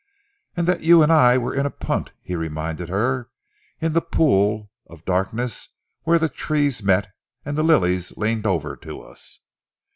"And that you and I were in a punt," he reminded her, "in the pool of darkness where the trees met, and the lilies leaned over to us."